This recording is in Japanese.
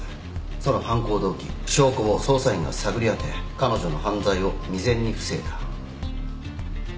その犯行動機証拠を捜査員が探り当て彼女の犯罪を未然に防いだ。